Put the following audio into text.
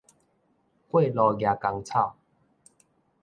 過路蜈蚣草